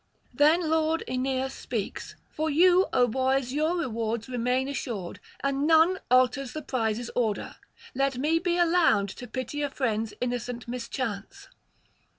Then lord Aeneas speaks: 'For you, O boys, your rewards remain assured, and none alters the prizes' order: let me be allowed to pity a friend's innocent mischance.'